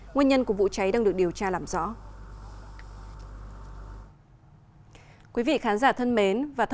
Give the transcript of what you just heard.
nguyên nhân của vụ cháy đang được điều tra làm rõ